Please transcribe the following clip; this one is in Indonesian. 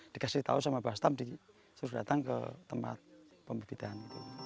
dikasih tahu sama bastam disuruh datang ke tempat pembibitan